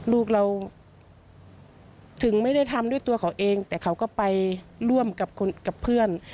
ลูกเราถึงไม่ได้ทำด้วยตัวเขาเองแต่เขาก็ไปร่วมกับเพื่อน